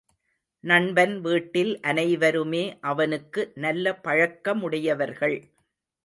நண்பன் வீட்டில் அனைவருமே அவனுக்கு நல்ல பழக்கமுடையவர்கள்.